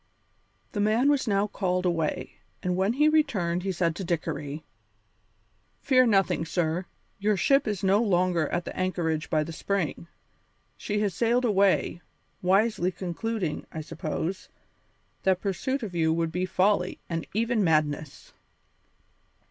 The man was now called away, and when he returned he said to Dickory: "Fear nothing, sir; your ship is no longer at the anchorage by the spring. She has sailed away, wisely concluding, I suppose, that pursuit of you would be folly, and even madness."